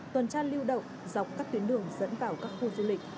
tuần tra lưu động dọc các tuyến đường dẫn vào các khu du lịch